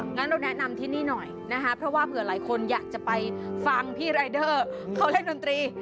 งั้นเราแนะนำที่นี่หน่อยนะคะเพราะว่าเผื่อหลายคนอยากจะไปฟังพี่รายเดอร์เขาเล่นดนตรี